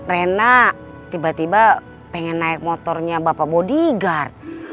rena tiba tiba pengen naik motornya bapak bodyguard